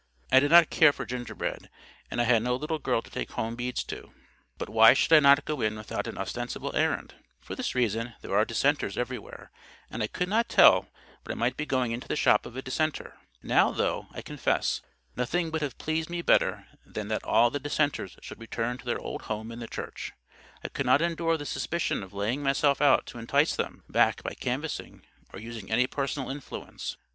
I did not care for gingerbread; and I had no little girl to take home beads to. But why should I not go in without an ostensible errand? For this reason: there are dissenters everywhere, and I could not tell but I might be going into the shop of a dissenter. Now, though, I confess, nothing would have pleased me better than that all the dissenters should return to their old home in the Church, I could not endure the suspicion of laying myself out to entice them back by canvassing or using any personal influence.